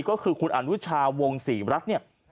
ก็คือคุณอันวุชาวงศ์ศรีรัตน์